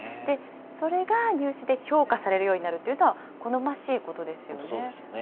それが入試で評価されるようになるというのは、好ましいことですよね。